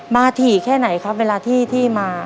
ถี่แค่ไหนครับเวลาที่มา